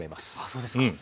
そうですか。